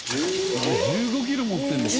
１５キロ持ってるの！？